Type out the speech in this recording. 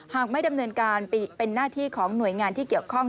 หากไม่ดำเนินการเป็นหน้าที่ของหน่วยงานที่เกี่ยวข้อง